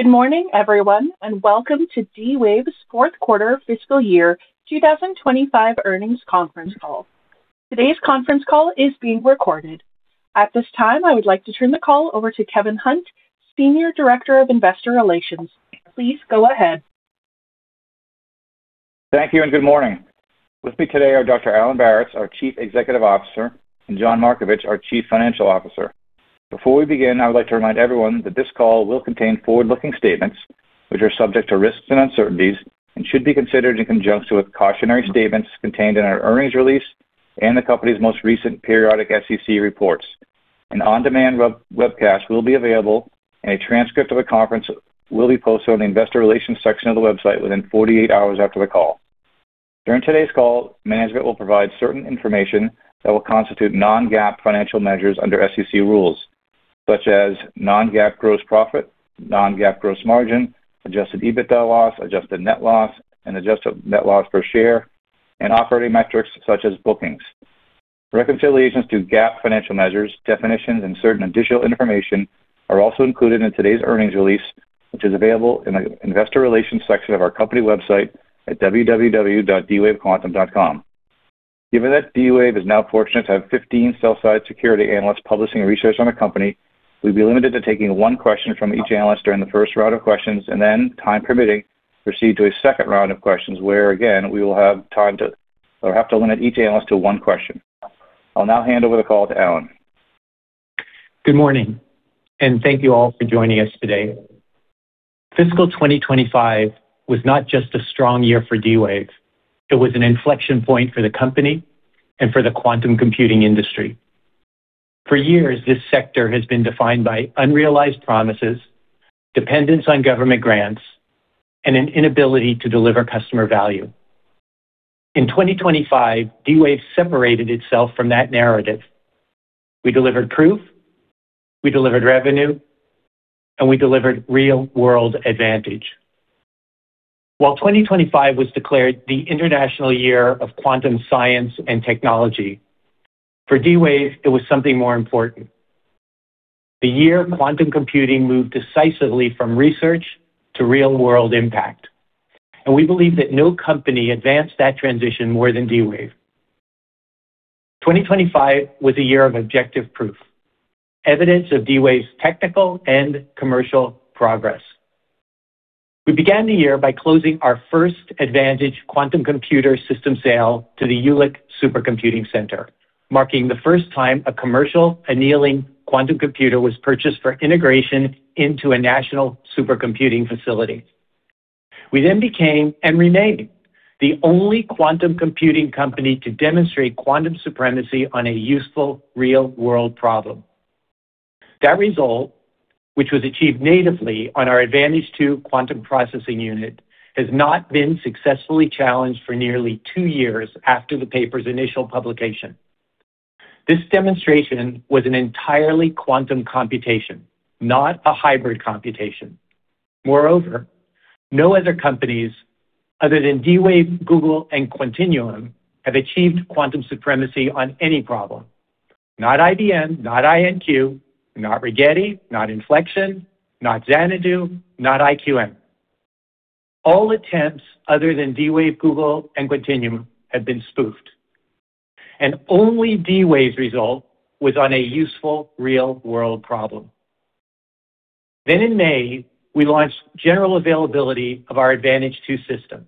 Good morning, everyone, and welcome to D-Wave's fourth quarter fiscal year 2025 earnings conference call. Today's conference call is being recorded. At this time, I would like to turn the call over to Kevin Hunt, Senior Director of Investor Relations. Please go ahead. Thank you and good morning. With me today are Dr. Alan Baratz, our Chief Executive Officer, and John Markovich, our Chief Financial Officer. Before we begin, I would like to remind everyone that this call will contain forward-looking statements which are subject to risks and uncertainties and should be considered in conjunction with cautionary statements contained in our earnings release and the company's most recent periodic SEC reports. An on-demand webcast will be available, and a transcript of the conference will be posted on the investor relations section of the website within 48 hours after the call. During today's call, management will provide certain information that will constitute non-GAAP financial measures under SEC rules, such as non-GAAP gross profit, non-GAAP gross margin, adjusted EBITDA loss, adjusted net loss, and adjusted net loss per share, and operating metrics such as bookings. Reconciliations to GAAP financial measures, definitions, and certain additional information are also included in today's earnings release, which is available in the investor relations section of our company website at www.dwavequantum.com. Given that D-Wave is now fortunate to have 15 sell-side security analysts publishing research on the company, we'll be limited to taking one question from each analyst during the first round of questions and then, time permitting, proceed to a second round of questions, where again, we will have to limit each analyst to one question. I'll now hand over the call to Alan. Good morning, thank you all for joining us today. Fiscal 2025 was not just a strong year for D-Wave, it was an Infleqtion point for the company and for the quantum computing industry. For years, this sector has been defined by unrealized promises, dependence on government grants, and an inability to deliver customer value. In 2025, D-Wave separated itself from that narrative. We delivered proof, we delivered revenue, and we delivered real-world advantage. While 2025 was declared the International Year of Quantum Science and Technology, for D-Wave, it was something more important. The year quantum computing moved decisively from research to real-world impact, and we believe that no company advanced that transition more than D-Wave. 2025 was a year of objective proof, evidence of D-Wave's technical and commercial progress. We began the year by closing our first Advantage quantum computer system sale to the Jülich Supercomputing Centre, marking the first time a commercial annealing quantum computer was purchased for integration into a national supercomputing facility. We became and remained the only quantum computing company to demonstrate quantum supremacy on a useful, real-world problem. That result, which was achieved natively on our Advantage2 Quantum Processing Unit, has not been successfully challenged for nearly two years after the paper's initial publication. This demonstration was an entirely quantum computation, not a hybrid computation. Moreover, no other companies other than D-Wave, Google and Quantinuum have achieved quantum supremacy on any problem. Not IBM, not IonQ, not Rigetti, not Infleqtion, not Xanadu, not IQM. All attempts other than D-Wave, Google, and Quantinuum have been spoofed, and only D-Wave's result was on a useful, real-world problem. In May, we launched general availability of our Advantage2 system,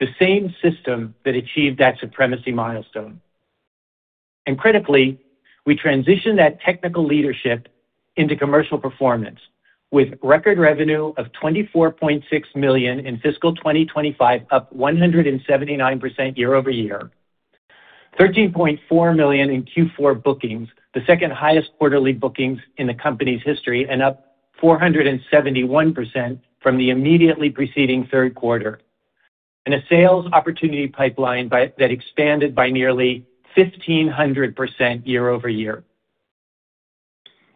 the same system that achieved that supremacy milestone. Critically, we transitioned that technical leadership into commercial performance with record revenue of $24.6 million in fiscal 2025, up 179% year-over-year, $13.4 million in Q4 bookings, the second highest quarterly bookings in the company's history and up 471% from the immediately preceding third quarter. A sales opportunity pipeline that expanded by nearly 1,500% year-over-year.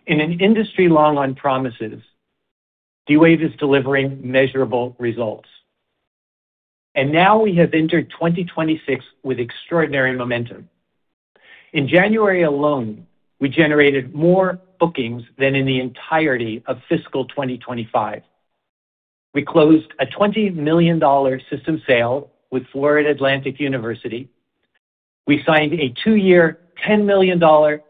In an industry long on promises, D-Wave is delivering measurable results. Now we have entered 2026 with extraordinary momentum. In January alone, we generated more bookings than in the entirety of fiscal 2025. We closed a $20 million system sale with Florida Atlantic University. We signed a two-year, $10 million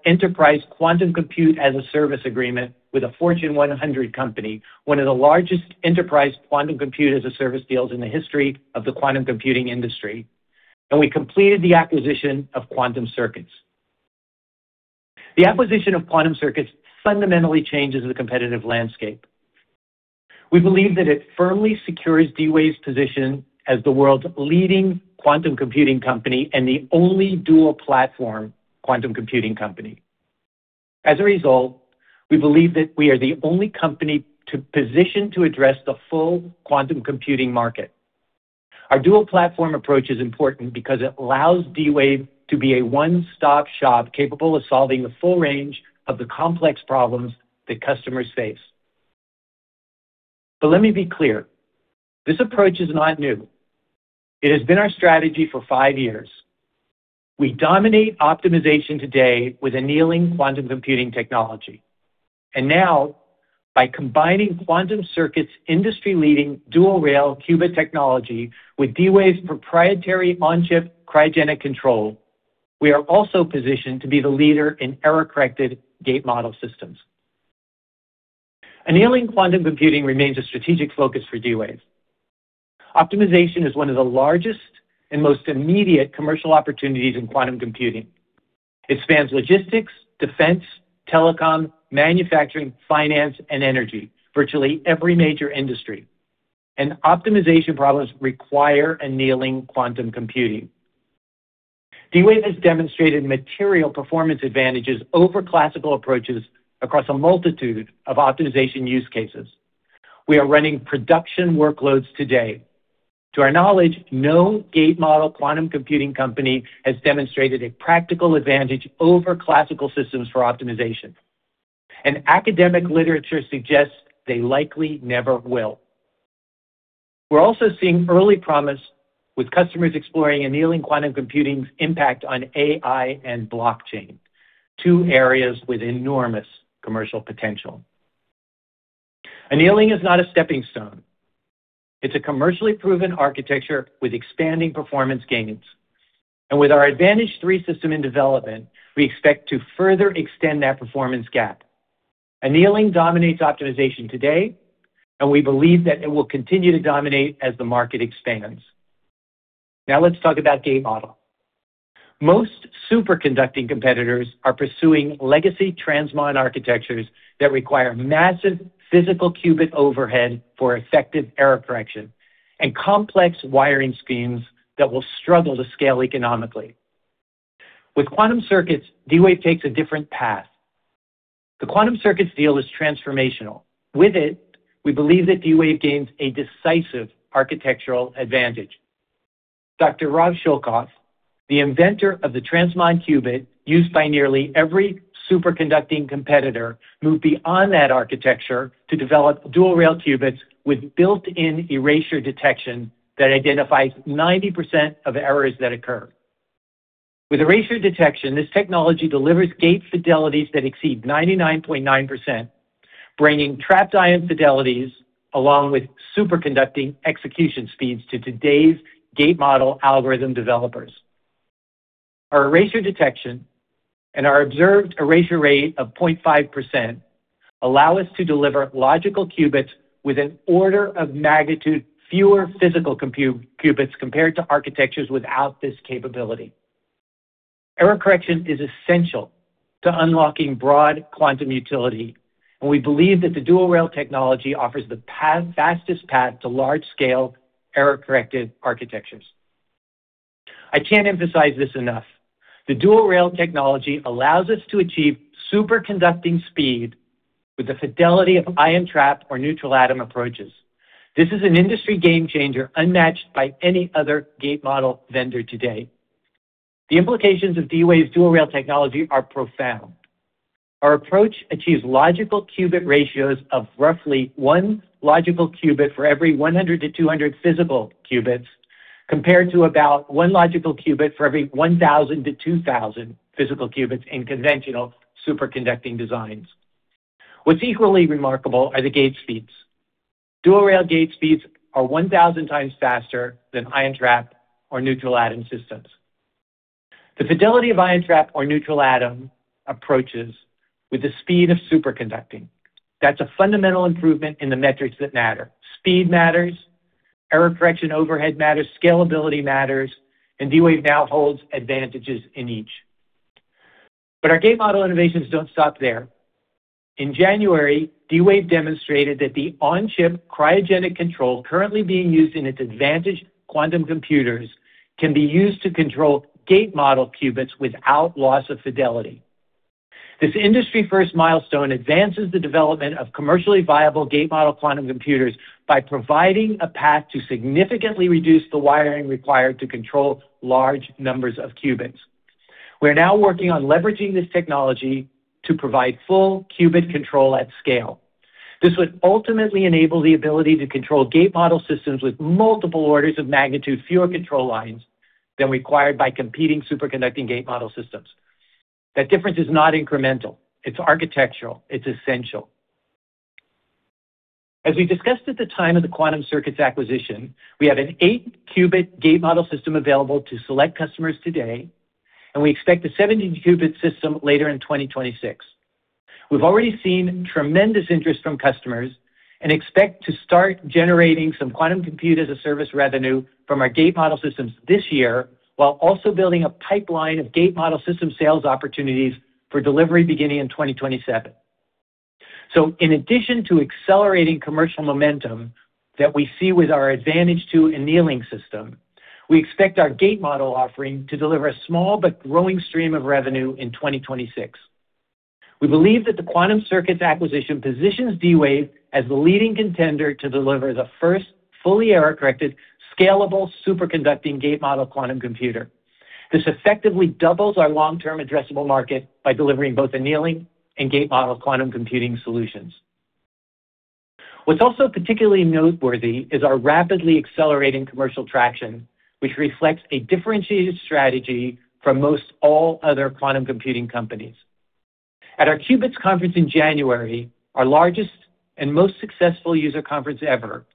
enterprise quantum compute as a service agreement with a Fortune 100 company, one of the largest enterprise quantum compute as a service deals in the history of the quantum computing industry. We completed the acquisition of Quantum Circuits. The acquisition of Quantum Circuits fundamentally changes the competitive landscape. We believe that it firmly secures D-Wave's position as the world's leading quantum computing company and the only dual-platform quantum computing company. As a result, we believe that we are the only company to position to address the full quantum computing market. Our dual platform approach is important because it allows D-Wave to be a one-stop shop, capable of solving the full range of the complex problems that customers face. Let me be clear, this approach is not new. It has been our strategy for five years.... We dominate optimization today with annealing quantum computing technology. Now, by combining Quantum Circuits' industry-leading dual-rail qubit technology with D-Wave's proprietary on-chip cryogenic control, we are also positioned to be the leader in error-corrected gate model systems. Annealing quantum computing remains a strategic focus for D-Wave. Optimization is one of the largest and most immediate commercial opportunities in quantum computing. It spans logistics, defense, telecom, manufacturing, finance, and energy, virtually every major industry, and optimization problems require annealing quantum computing. D-Wave has demonstrated material performance advantages over classical approaches across a multitude of optimization use cases. We are running production workloads today. To our knowledge, no gate model quantum computing company has demonstrated a practical advantage over classical systems for optimization, and academic literature suggests they likely never will. We're also seeing early promise with customers exploring annealing quantum computing's impact on AI and blockchain, two areas with enormous commercial potential. Annealing is not a stepping stone. It's a commercially proven architecture with expanding performance gains. With our Advantage3 system in development, we expect to further extend that performance gap. Annealing dominates optimization today, and we believe that it will continue to dominate as the market expands. Let's talk about gate model. Most superconducting competitors are pursuing legacy transmon architectures that require massive physical qubit overhead for effective error correction and complex wiring schemes that will struggle to scale economically. With Quantum Circuits, D-Wave takes a different path. The Quantum Circuits deal is transformational. With it, we believe that D-Wave gains a decisive architectural advantage. Dr. Rob Schoelkopf, the inventor of the transmon qubit, used by nearly every superconducting competitor, moved beyond that architecture to develop dual-rail qubits with built-in erasure detection that identifies 90% of errors that occur. With erasure detection, this technology delivers gate fidelities that exceed 99.9%, bringing trapped ion fidelities along with superconducting execution speeds to today's gate model algorithm developers. Our erasure detection and our observed erasure rate of 0.5% allow us to deliver logical qubits with an order of magnitude fewer physical qubits compared to architectures without this capability. Error correction is essential to unlocking broad quantum utility. We believe that the dual-rail technology offers the fastest path to large-scale error-corrected architectures. I can't emphasize this enough. The dual-rail technology allows us to achieve superconducting speed with the fidelity of ion trap or neutral atom approaches. This is an industry game changer unmatched by any other gate model vendor today. The implications of D-Wave's dual-rail technology are profound. Our approach achieves logical qubit ratios of roughly 1 logical qubit for every 100 to 200 physical qubits, compared to about 1 logical qubit for every 1,000 to 2,000 physical qubits in conventional superconducting designs. What's equally remarkable are the gate speeds. Dual-rail gate speeds are 1,000 times faster than ion trap or neutral atom systems. The fidelity of ion trap or neutral atom approaches with the speed of superconducting. That's a fundamental improvement in the metrics that matter. Speed matters, error correction overhead matters, scalability matters, and D-Wave now holds advantages in each. Our gate model innovations don't stop there. In January, D-Wave demonstrated that the on-chip cryogenic control currently being used in its Advantage quantum computers can be used to control gate model qubits without loss of fidelity. This industry-first milestone advances the development of commercially viable gate model quantum computers by providing a path to significantly reduce the wiring required to control large numbers of qubits. We're now working on leveraging this technology to provide full qubit control at scale. This would ultimately enable the ability to control gate model systems with multiple orders of magnitude, fewer control lines than required by competing superconducting gate model systems. That difference is not incremental, it's architectural, it's essential. As we discussed at the time of the Quantum Circuits acquisition, we have an 8-qubit gate model system available to select customers today, and we expect a 17-qubit system later in 2026. We've already seen tremendous interest from customers and expect to start generating some Quantum Compute as a Service revenue from our gate model systems this year, while also building a pipeline of gate model system sales opportunities for delivery beginning in 2027. In addition to accelerating commercial momentum that we see with our Advantage2 annealing system, we expect our gate model offering to deliver a small but growing stream of revenue in 2026. We believe that the Quantum Circuits acquisition positions D-Wave as the leading contender to deliver the first fully error-corrected, scalable, superconducting gate model quantum computer. This effectively doubles our long-term addressable market by delivering both annealing and gate model quantum computing solutions. What's also particularly noteworthy is our rapidly accelerating commercial traction, which reflects a differentiated strategy from most all other quantum computing companies. At our Qubits conference in January, our largest and most successful user conference ever,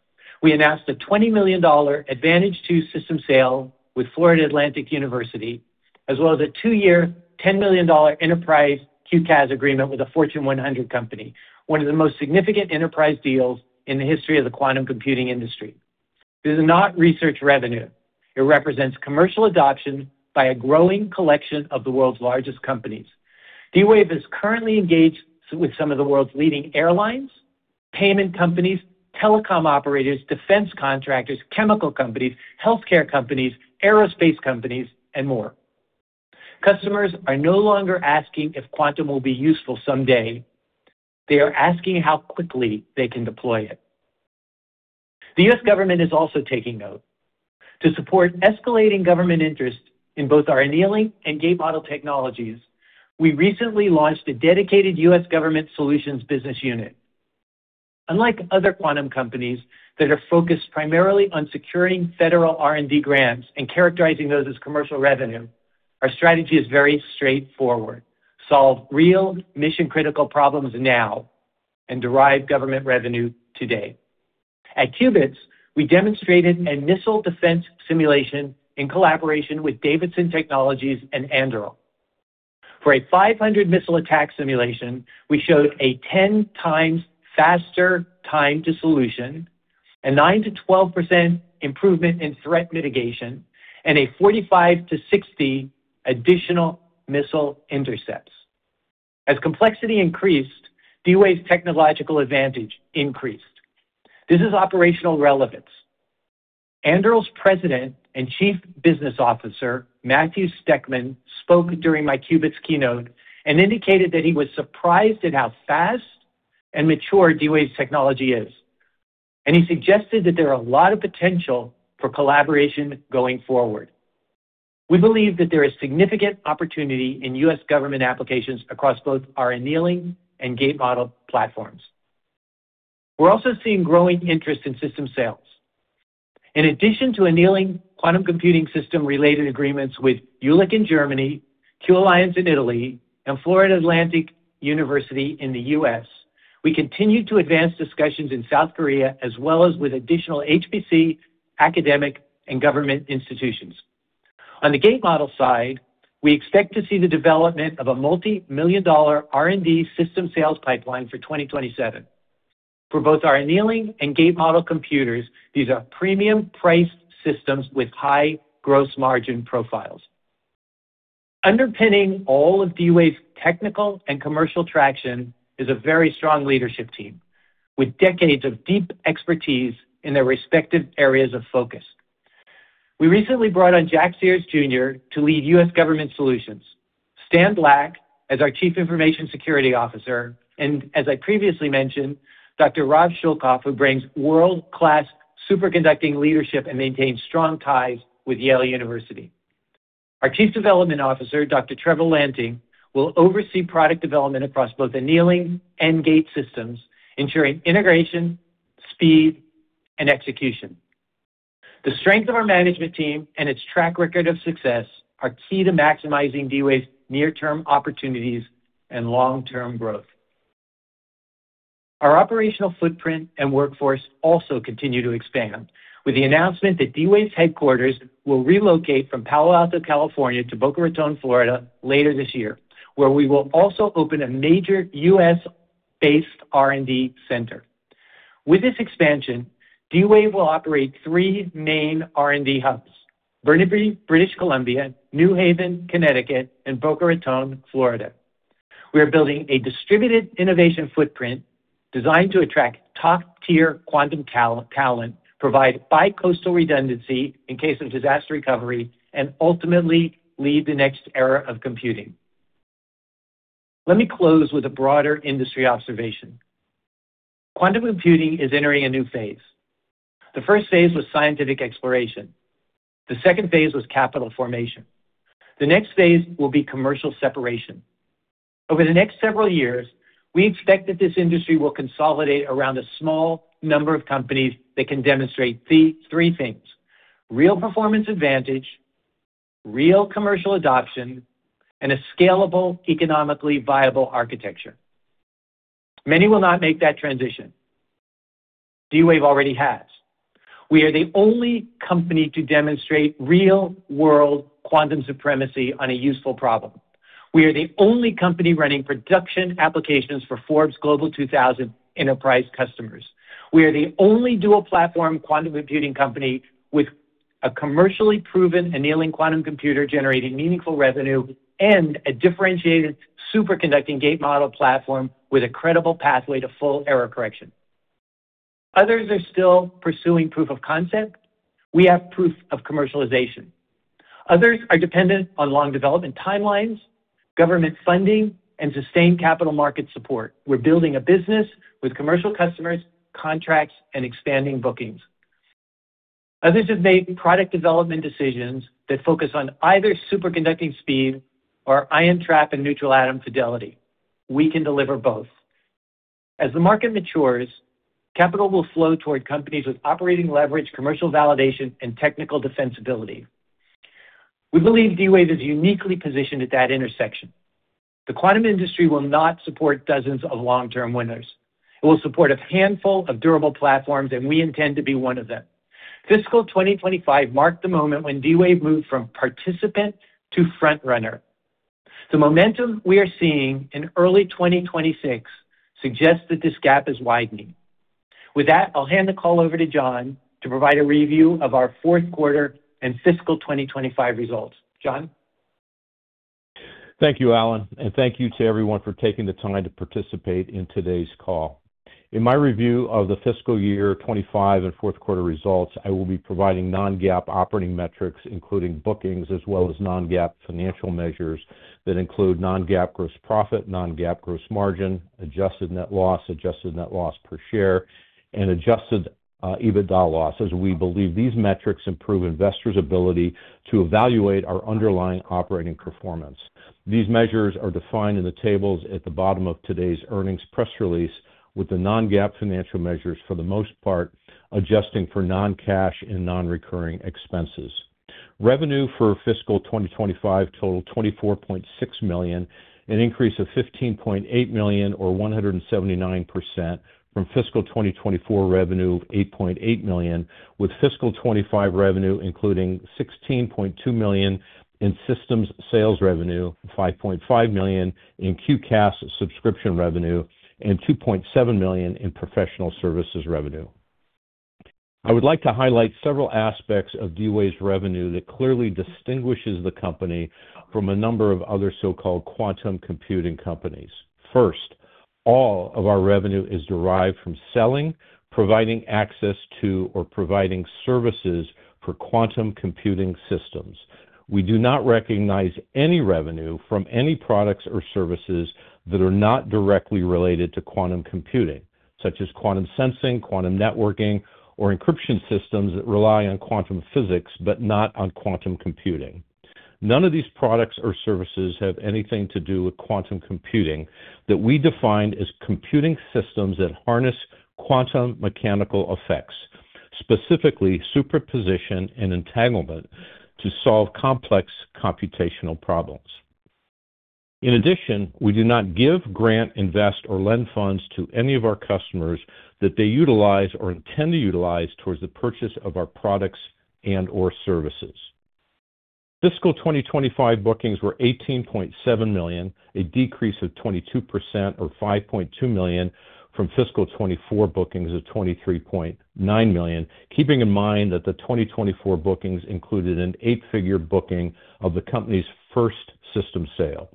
we announced a $20 million Advantage2 system sale with Florida Atlantic University, as well as a 2-year, $10 million enterprise QCaaS agreement with a Fortune 100 company, one of the most significant enterprise deals in the history of the quantum computing industry. This is not research revenue. It represents commercial adoption by a growing collection of the world's largest companies. D-Wave is currently engaged with some of the world's leading airlines, payment companies, telecom operators, defense contractors, chemical companies, healthcare companies, aerospace companies, and more. Customers are no longer asking if quantum will be useful someday. They are asking how quickly they can deploy it. The U.S. government is also taking note. To support escalating government interest in both our annealing and gate model technologies, we recently launched a dedicated U.S. Government Solutions Business Unit. Unlike other quantum companies that are focused primarily on securing federal R&D grants and characterizing those as commercial revenue, our strategy is very straightforward: solve real mission-critical problems now and derive government revenue today. At Qubits, we demonstrated a missile defense simulation in collaboration with Davidson Technologies and Anduril. For a 500 missile attack simulation, we showed a 10 times faster time to solution, a 9%-12% improvement in threat mitigation, and 45-60 additional missile intercepts. As complexity increased, D-Wave's technological advantage increased. This is operational relevance. Anduril's President and Chief Business Officer, Matthew Steckman, spoke during my Qubits keynote and indicated that he was surprised at how fast and mature D-Wave's technology is, and he suggested that there are a lot of potential for collaboration going forward. We believe that there is significant opportunity in U.S. government applications across both our annealing and gate model platforms. We're also seeing growing interest in system sales. In addition to annealing quantum computing system-related agreements with Jülich in Germany, Q-Alliance in Italy, and Florida Atlantic University in the U.S., we continue to advance discussions in South Korea, as well as with additional HPC, academic, and government institutions. On the gate model side, we expect to see the development of a multimillion-dollar R&D system sales pipeline for 2027. For both our annealing and gate model computers, these are premium-priced systems with high gross margin profiles. Underpinning all of D-Wave's technical and commercial traction is a very strong leadership team, with decades of deep expertise in their respective areas of focus. We recently brought on Jack Sears Jr. to lead U.S. government solutions, Stan Black as our Chief Information Security Officer, and as I previously mentioned, Dr. Rob Schoelkopf, who brings world-class superconducting leadership and maintains strong ties with Yale University. Our Chief Development Officer, Dr. Trevor Lanting, will oversee product development across both annealing and gate systems, ensuring integration, speed, and execution. The strength of our management team and its track record of success are key to maximizing D-Wave's near-term opportunities and long-term growth. Our operational footprint and workforce also continue to expand, with the announcement that D-Wave's headquarters will relocate from Palo Alto, California, to Boca Raton, Florida, later this year, where we will also open a major U.S.-based R&D center. With this expansion, D-Wave will operate 3 main R&D hubs: Burnaby, British Columbia, New Haven, Connecticut, and Boca Raton, Florida. We are building a distributed innovation footprint designed to attract top-tier quantum talent, provide bi-coastal redundancy in case of disaster recovery, and ultimately lead the next era of computing. Let me close with a broader industry observation. Quantum computing is entering a new phase. The first phase was scientific exploration. The second phase was capital formation. The next phase will be commercial separation. Over the next several years, we expect that this industry will consolidate around a small number of companies that can demonstrate 3 things: real performance advantage, real commercial adoption, and a scalable, economically viable architecture. Many will not make that transition. D-Wave already has. We are the only company to demonstrate real-world quantum supremacy on a useful problem. We are the only company running production applications for Forbes Global 2000 enterprise customers. We are the only dual-platform quantum computing company with a commercially proven annealing quantum computer generating meaningful revenue and a differentiated superconducting gate model platform with a credible pathway to full error correction. Others are still pursuing proof of concept. We have proof of commercialization. Others are dependent on long development timelines, government funding, and sustained capital market support. We're building a business with commercial customers, contracts, and expanding bookings. Others have made product development decisions that focus on either superconducting speed or ion trap and neutral atom fidelity. We can deliver both. As the market matures, capital will flow toward companies with operating leverage, commercial validation, and technical defensibility. We believe D-Wave is uniquely positioned at that intersection. The quantum industry will not support dozens of long-term winners. It will support a handful of durable platforms. We intend to be one of them. Fiscal 2025 marked the moment when D-Wave moved from participant to front runner. The momentum we are seeing in early 2026 suggests that this gap is widening. With that, I'll hand the call over to John to provide a review of our fourth quarter and fiscal 2025 results. John? Thank you, Alan, and thank you to everyone for taking the time to participate in today's call. In my review of the fiscal year 25 and 4th quarter results, I will be providing non-GAAP operating metrics, including bookings, as well as non-GAAP financial measures that include non-GAAP gross profit, non-GAAP gross margin, adjusted net loss, adjusted net loss per share, and adjusted EBITDA loss, as we believe these metrics improve investors' ability to evaluate our underlying operating performance. These measures are defined in the tables at the bottom of today's earnings press release with the non-GAAP financial measures, for the most part, adjusting for non-cash and non-recurring expenses. Revenue for fiscal 2025 totaled $24.6 million, an increase of $15.8 million, or 179% from fiscal 2024 revenue of $8.8 million, with fiscal 2025 revenue, including $16.2 million in systems sales revenue, $5.5 million in QCaaS subscription revenue, and $2.7 million in professional services revenue. I would like to highlight several aspects of D-Wave's revenue that clearly distinguishes the company from a number of other so-called quantum computing companies. First, all of our revenue is derived from selling, providing access to, or providing services for quantum computing systems. We do not recognize any revenue from any products or services that are not directly related to quantum computing, such as quantum sensing, quantum networking, or encryption systems that rely on quantum physics, but not on quantum computing. None of these products or services have anything to do with quantum computing that we define as computing systems that harness quantum mechanical effects, specifically superposition and entanglement, to solve complex computational problems. In addition, we do not give, grant, invest, or lend funds to any of our customers that they utilize or intend to utilize towards the purchase of our products and/or services. Fiscal 2025 bookings were $18.7 million, a decrease of 22% or $5.2 million from fiscal 2024 bookings of $23.9 million. Keeping in mind that the 2024 bookings included an eight-figure booking of the company's first system sale.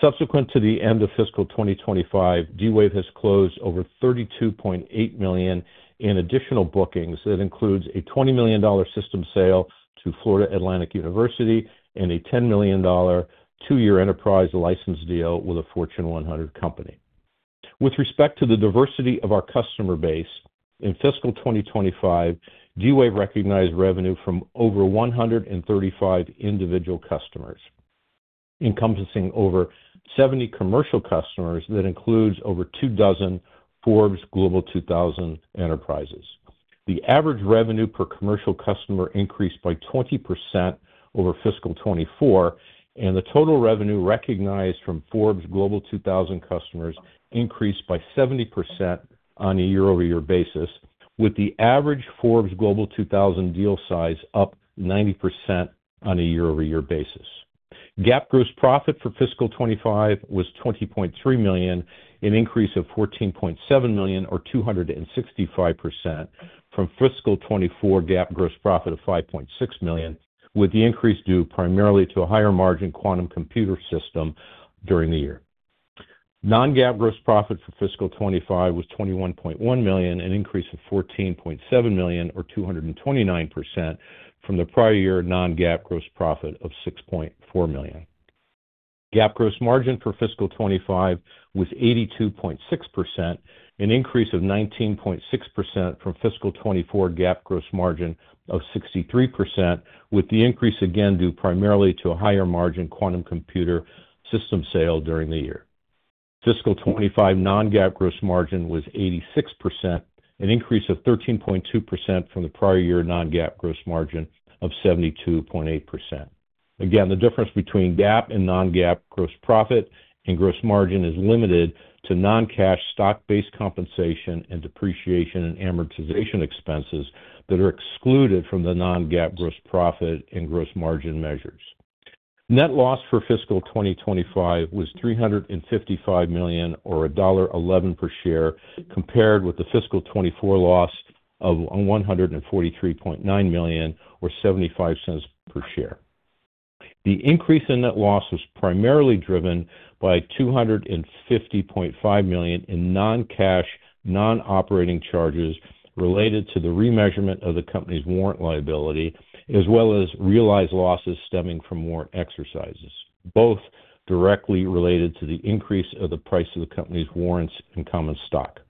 Subsequent to the end of fiscal 2025, D-Wave has closed over $32.8 million in additional bookings. That includes a $20 million system sale to Florida Atlantic University and a $10 million 2-year enterprise license deal with a Fortune 100 company. With respect to the diversity of our customer base, in fiscal 2025, D-Wave recognized revenue from over 135 individual customers, encompassing over 70 commercial customers. That includes over 2 dozen Forbes Global 2000 enterprises. The average revenue per commercial customer increased by 20% over fiscal 2024, and the total revenue recognized from Forbes Global 2000 customers increased by 70% on a year-over-year basis, with the average Forbes Global 2000 deal size up 90% on a year-over-year basis. GAAP gross profit for fiscal 2025 was $20.3 million, an increase of $14.7 million, or 265% from fiscal 2024 GAAP gross profit of $5.6 million, with the increase due primarily to a higher margin quantum computer system during the year. Non-GAAP gross profit for fiscal 2025 was $21.1 million, an increase of $14.7 million, or 229% from the prior year non-GAAP gross profit of $6.4 million. GAAP gross margin for fiscal 2025 was 82.6%, an increase of 19.6% from fiscal 2024 GAAP gross margin of 63%, with the increase again due primarily to a higher margin quantum computer system sale during the year. Fiscal 2025 non-GAAP gross margin was 86%, an increase of 13.2% from the prior year non-GAAP gross margin of 72.8%. Again, the difference between GAAP and non-GAAP gross profit and gross margin is limited to non-cash stock-based compensation and depreciation and amortization expenses that are excluded from the non-GAAP gross profit and gross margin measures. Net loss for fiscal 2025 was $355 million, or $1.11 per share, compared with the fiscal 2024 loss of $143.9 million, or $0.75 per share. The increase in net loss was primarily driven by $250.5 million in non-cash, non-operating charges related to the remeasurement of the company's warrant liability, as well as realized losses stemming from warrant exercises.... both directly related to the increase of the price of the company's warrants and common stock.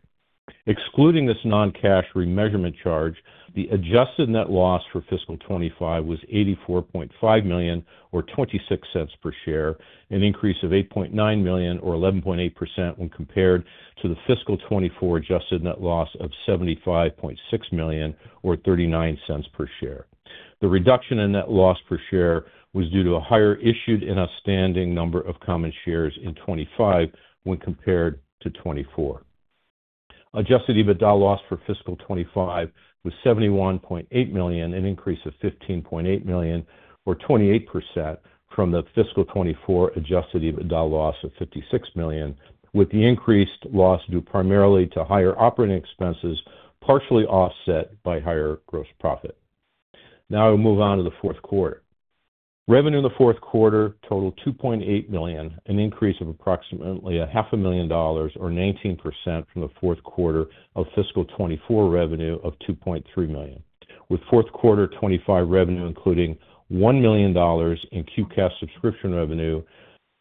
Excluding this non-cash remeasurement charge, the adjusted net loss for fiscal 2025 was $84.5 `or $0.26 per share, an increase of $8.9 million or 11.8% when compared to the fiscal 2024 adjusted net loss of $75.6 million or $0.39 per share. The reduction in net loss per share was due to a higher issued and outstanding number of common shares in 2025 when compared to 2024. Adjusted EBITDA loss for fiscal 2025 was $71.8 million, an increase of $15.8 million or 28% from the fiscal 2024 adjusted EBITDA loss of $56 million, with the increased loss due primarily to higher operating expenses, partially offset by higher gross profit. Now we move on to the fourth quarter. Revenue in the fourth quarter totaled $2.8 million, an increase of approximately a half a million dollars or 19% from the fourth quarter of fiscal 2024 revenue of $2.3 million, with fourth quarter 2025 revenue, including $1 million in QCaaS subscription revenue,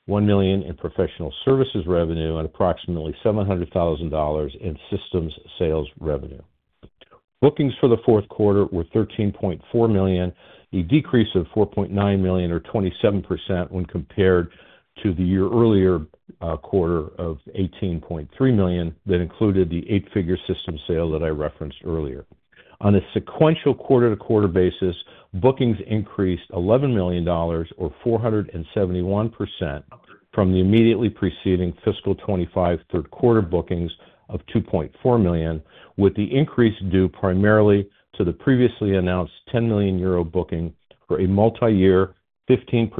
$1 million in professional services revenue, and approximately $700,000 in systems sales revenue. Bookings for the fourth quarter were $13.4 million, a decrease of $4.9 million or 27% when compared to the year earlier quarter of $18.3 million. That included the eight-figure system sale that I referenced earlier. On a sequential quarter-to-quarter basis, bookings increased $11 million or 471% from the immediately preceding fiscal 2025 third quarter bookings of $2.4 million, with the increase due primarily to the previously announced 10 million euro booking for a multiyear 15%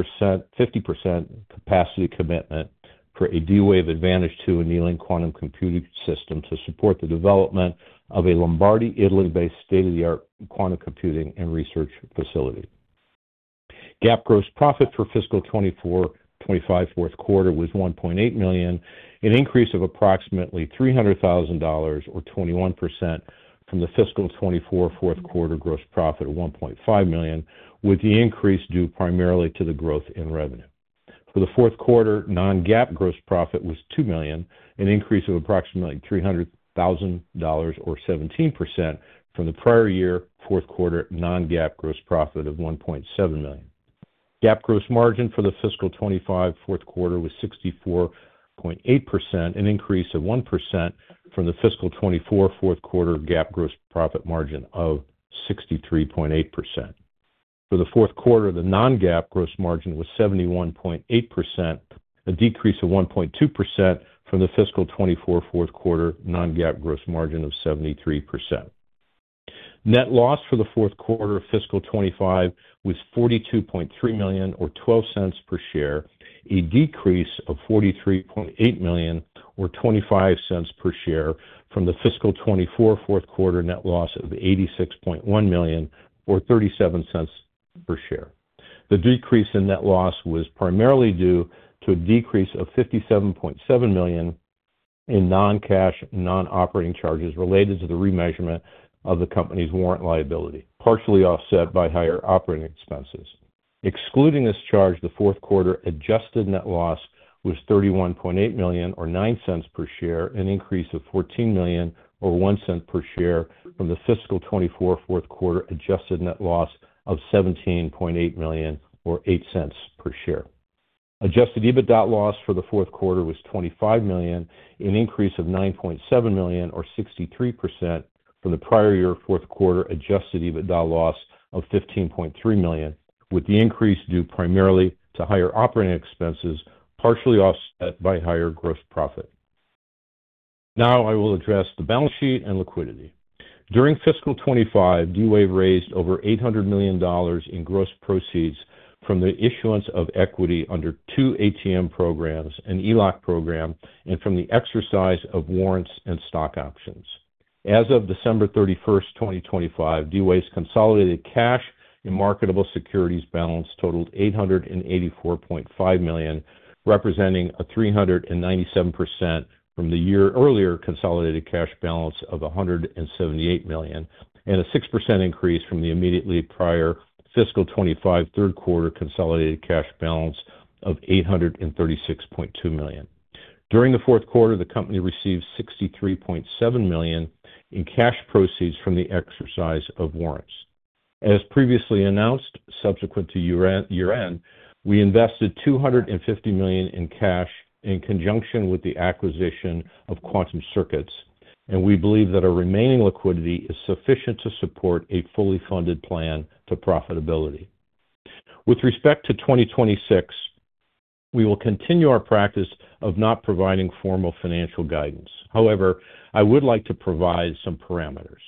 fifty capacity commitment for a D-Wave Advantage 2 annealing quantum computing system to support the development of a Lombardy, Italy-based state-of-the-art quantum computing and research facility. GAAP gross profit for fiscal 2024/2025 fourth quarter was $1.8 million, an increase of approximately $300,000 or 21% from the fiscal 2024 fourth quarter gross profit of $1.5 million, with the increase due primarily to the growth in revenue. For the fourth quarter, non-GAAP gross profit was $2 million, an increase of approximately $300,000 or 17% from the prior year fourth quarter non-GAAP gross profit of $1.7 million. GAAP gross margin for the fiscal 2025 fourth quarter was 64.8%, an increase of 1% from the fiscal 2024 fourth quarter GAAP gross profit margin of 63.8%. For the fourth quarter, the non-GAAP gross margin was 71.8%, a decrease of 1.2% from the fiscal 2024 fourth quarter non-GAAP gross margin of 73%. Net loss for the fourth quarter of fiscal 2025 was $42.3 million or $0.12 per share, a decrease of $43.8 million or $0.25 per share from the fiscal 2024 fourth quarter net loss of $86.1 million or $0.37 per share. The decrease in net loss was primarily due to a decrease of $57.7 million in non-cash, non-operating charges related to the remeasurement of the company's warrant liability, partially offset by higher operating expenses. Excluding this charge, the fourth quarter adjusted net loss was $31.8 million or $0.09 per share, an increase of $14 million or $0.01 per share from the fiscal 2024 fourth quarter adjusted net loss of $17.8 million or $0.08 per share. Adjusted EBITDA loss for the fourth quarter was $25 million, an increase of $9.7 million or 63% from the prior year fourth quarter adjusted EBITDA loss of $15.3 million, with the increase due primarily to higher operating expenses, partially offset by higher gross profit. Now, I will address the balance sheet and liquidity. During fiscal 2025, D-Wave raised over $800 million in gross proceeds from the issuance of equity under 2 ATM programs and ELOC program, and from the exercise of warrants and stock options. As of December 31, 2025, D-Wave's consolidated cash and marketable securities balance totaled $884.5 million, representing a 397% from the year-earlier consolidated cash balance of $178 million, and a 6% increase from the immediately prior fiscal 2025 third quarter consolidated cash balance of $836.2 million. During the fourth quarter, the company received $63.7 million in cash proceeds from the exercise of warrants. As previously announced, subsequent to year end, we invested $250 million in cash in conjunction with the acquisition of Quantum Circuits. We believe that our remaining liquidity is sufficient to support a fully funded plan to profitability. With respect to 2026, we will continue our practice of not providing formal financial guidance. However, I would like to provide some parameters.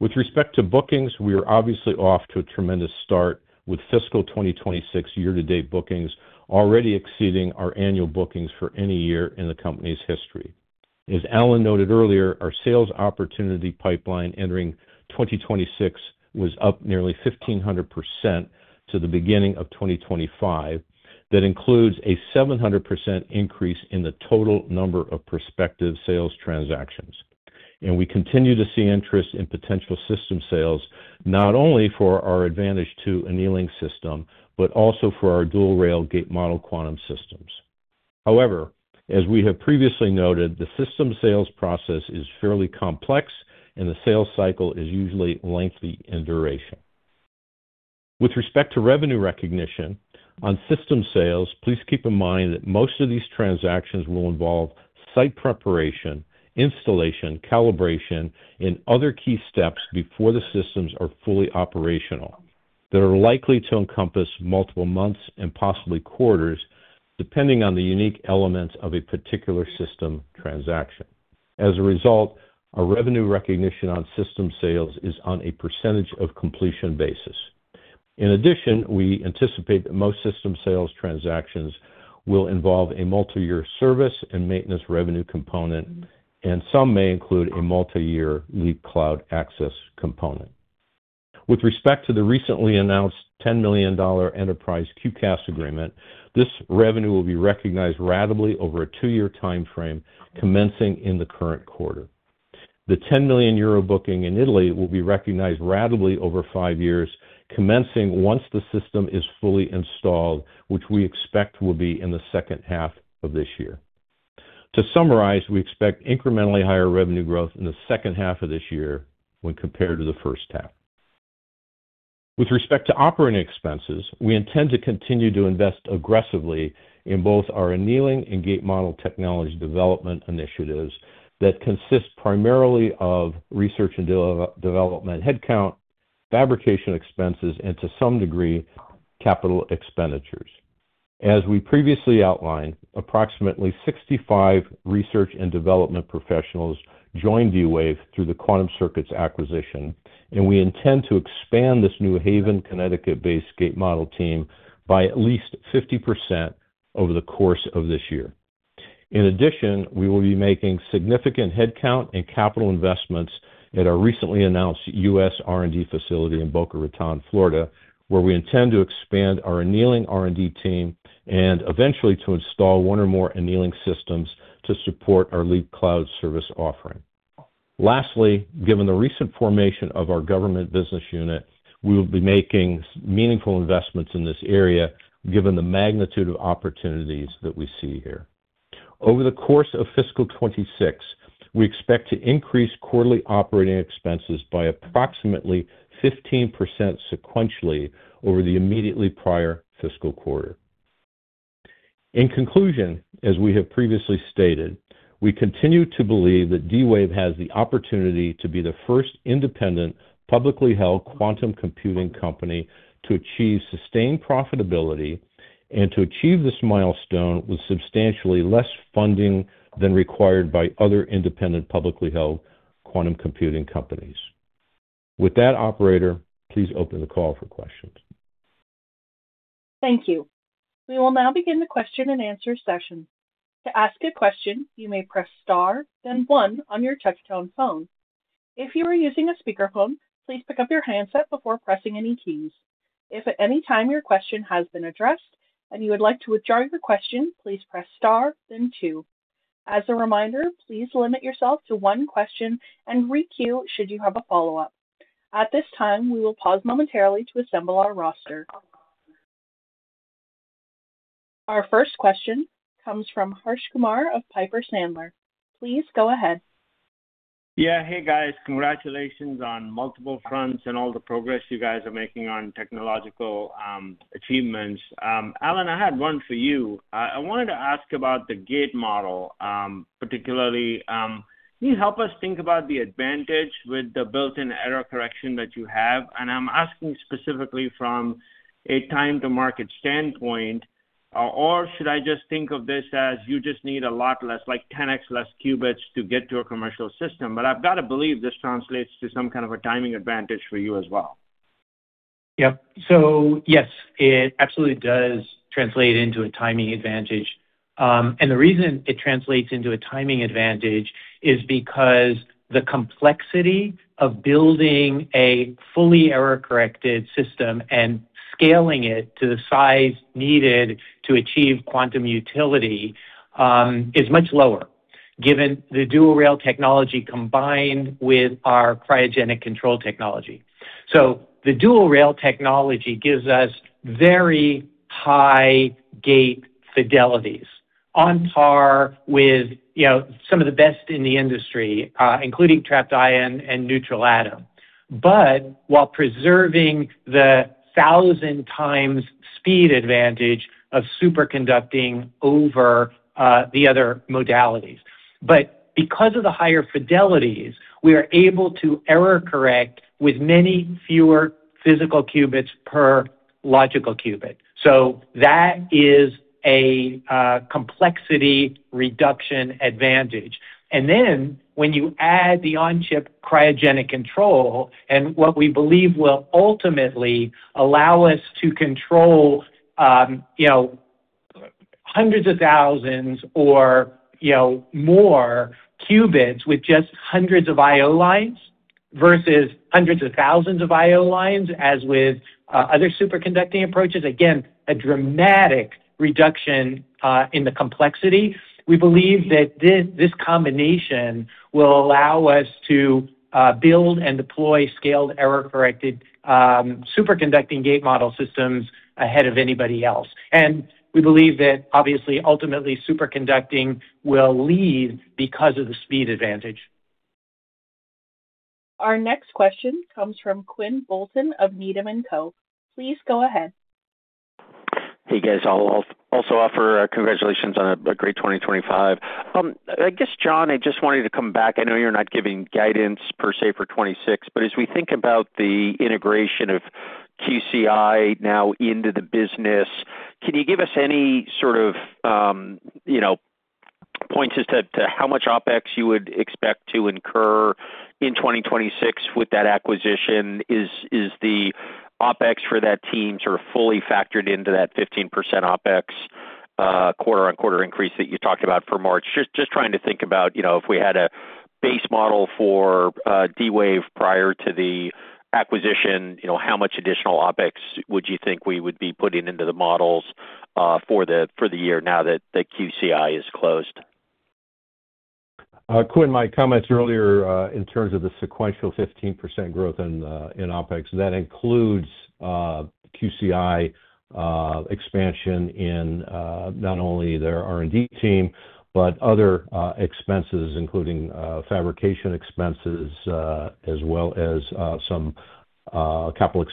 With respect to bookings, we are obviously off to a tremendous start with fiscal 2026 year-to-date bookings already exceeding our annual bookings for any year in the company's history. As Alan noted earlier, our sales opportunity pipeline entering 2026 was up nearly 1,500% to the beginning of 2025. That includes a 700% increase in the total number of prospective sales transactions. We continue to see interest in potential system sales, not only for our Advantage2 annealing system, but also for our dual-rail gate model quantum systems. However, as we have previously noted, the system sales process is fairly complex, and the sales cycle is usually lengthy in duration. With respect to revenue recognition on system sales, please keep in mind that most of these transactions will involve site preparation, installation, calibration, and other key steps before the systems are fully operational, that are likely to encompass multiple months and possibly quarters, depending on the unique elements of a particular system transaction. As a result, our revenue recognition on system sales is on a percentage-of-completion basis. In addition, we anticipate that most system sales transactions will involve a multi-year service and maintenance revenue component, and some may include a multi-year Leap cloud access component. With respect to the recently announced $10 million enterprise QCaaS agreement, this revenue will be recognized ratably over a two-year timeframe, commencing in the current quarter. The 10 million euro booking in Italy will be recognized ratably over five years, commencing once the system is fully installed, which we expect will be in the second half of this year. To summarize, we expect incrementally higher revenue growth in the second half of this year when compared to the first half. With respect to OpEx, we intend to continue to invest aggressively in both our annealing and gate model technology development initiatives that consist primarily of research and development, headcount, fabrication expenses, and to some degree, CapEx. As we previously outlined, approximately 65 research and development professionals joined D-Wave through the Quantum Circuits acquisition, and we intend to expand this New Haven, Connecticut-based gate model team by at least 50% over the course of this year. In addition, we will be making significant headcount and capital investments at our recently announced U.S. R&D facility in Boca Raton, Florida, where we intend to expand our annealing R&D team and eventually to install one or more annealing systems to support our Leap cloud service offering. Lastly, given the recent formation of our government business unit, we will be making meaningful investments in this area, given the magnitude of opportunities that we see here. Over the course of fiscal 2026, we expect to increase quarterly operating expenses by approximately 15% sequentially over the immediately prior fiscal quarter. In conclusion, as we have previously stated, we continue to believe that D-Wave has the opportunity to be the first independent, publicly held quantum computing company to achieve sustained profitability and to achieve this milestone with substantially less funding than required by other independent, publicly held quantum computing companies. Operator, please open the call for questions. Thank you. We will now begin the question-and-answer session. To ask a question, you may press star, then one on your touchtone phone. If you are using a speakerphone, please pick up your handset before pressing any keys. If at any time your question has been addressed and you would like to withdraw the question, please press star, then two. As a reminder, please limit yourself to one question and re queue, should you have a follow-up. At this time, we will pause momentarily to assemble our roster. Our first question comes from Harsh Kumar of Piper Sandler. Please go ahead. Yeah. Hey, guys. Congratulations on multiple fronts and all the progress you guys are making on technological achievements. Alan, I had one for you. I wanted to ask about the gate model, particularly, can you help us think about the advantage with the built-in error correction that you have? I'm asking specifically from a time-to-market standpoint, or should I just think of this as you just need a lot less, like, 10x less qubits to get to a commercial system? I've got to believe this translates to some kind of a timing advantage for you as well. Yep. Yes, it absolutely does translate into a timing advantage. The reason it translates into a timing advantage is because the complexity of building a fully error-corrected system and scaling it to the size needed to achieve quantum utility, is much lower given the dual-rail technology combined with our cryogenic control technology. The dual-rail technology gives us very high gate fidelities on par with, you know, some of the best in the industry, including trapped ion and neutral atom, while preserving the 1,000 times speed advantage of superconducting over the other modalities. Because of the higher fidelities, we are able to error-correct with many fewer physical qubits per logical qubit, that is a complexity reduction advantage. When you add the on-chip cryogenic control and what we believe will ultimately allow us to control, you know, hundreds of thousands or, you know, more qubits with just hundreds of lines versus hundreds of thousands of I/O lines, as with other superconducting approaches. A dramatic reduction in the complexity. We believe that this combination will allow us to build and deploy scaled, error-corrected, superconducting gate model systems ahead of anybody else. We believe that obviously, ultimately, superconducting will lead because of the speed advantage. Our next question comes from Quinn Bolton of Needham and Co. Please go ahead. Hey, guys. I'll also offer congratulations on a great 2025. I guess, John, I just wanted to come back. I know you're not giving guidance per se for 2026, but as we think about the integration of QCI now into the business, can you give us any sort of, you know, points as to how much OpEx you would expect to incur in 2026 with that acquisition? Is the OpEx for that team sort of fully factored into that 15% OpEx quarter-on-quarter increase that you talked about for March? Just trying to think about, you know, if we had a base model for D-Wave prior to the acquisition, you know, how much additional OpEx would you think we would be putting into the models for the year now that the QCI is closed? Quinn, my comments earlier, in terms of the sequential 15% growth in OpEx, that includes, QCI, expansion in, not only their R&D team, but other, expenses, including, fabrication expenses, as well as, some, CapEx.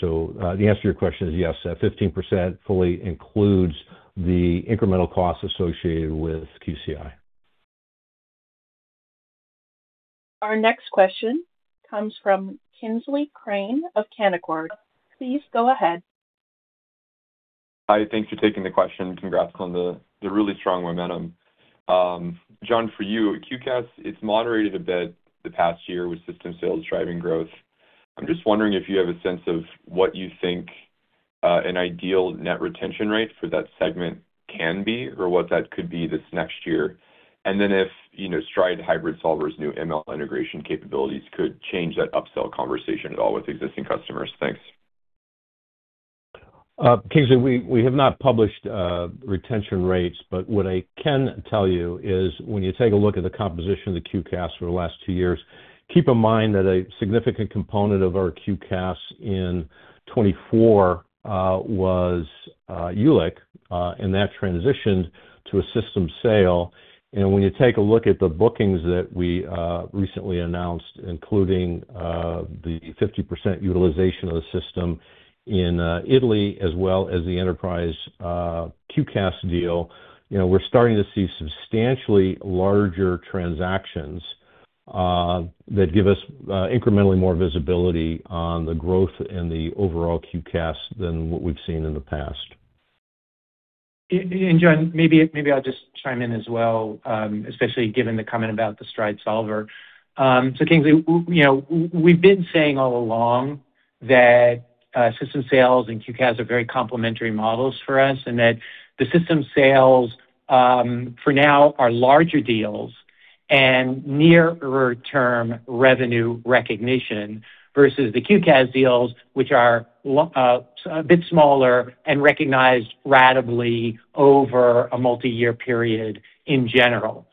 The answer to your question is yes, that 15% fully includes the incremental costs associated with QCI. Our next question comes from Kingsley Crane of Canaccord. Please go ahead. Hi, thanks for taking the question. Congrats on the really strong momentum. John, for you, QCaaS, it's moderated a bit the past year with system sales driving growth. I'm just wondering if you have a sense of what you think an ideal net retention rate for that segment can be or what that could be this next year. If, you know, Stride Hybrid Solver's new ML integration capabilities could change that upsell conversation at all with existing customers. Thanks. Kingsley, we have not published retention rates, but what I can tell you is when you take a look at the composition of the QCaaS for the last two years, keep in mind that a significant component of our QCaaS in 2024 was Jülich, and that transitioned to a system sale. When you take a look at the bookings that we recently announced, including the 50% utilization of the system in Italy, as well as the enterprise QCaaS deal, you know, we're starting to see substantially larger transactions that give us incrementally more visibility on the growth and the overall QCaaS than what we've seen in the past. John, maybe I'll just chime in as well, especially given the comment about the Stride Solver. Kingsley, you know, we've been saying all along that system sales and QCaaS are very complementary models for us, and that the system sales, for now, are larger deals and nearer-term revenue recognition versus the QCaaS deals, which are a bit smaller and recognized ratably over a multiyear period in general.